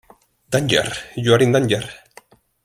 Danger, You're in danger.